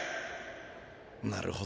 なるほど。